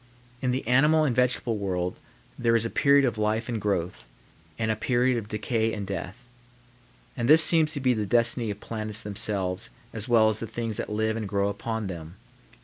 In the animal and vegetable world there is a period of life and growth, and a period of decay and death; and this seems to be the destiny of planets themselves as well as the things that live and grow upon them.